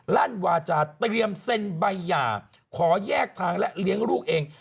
ลั่นวาจาเตรียมเซ็นใบหย่าขอแยกทางและเลี้ยงลูกเอง